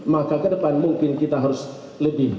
maka ke depan mungkin kita harus lebih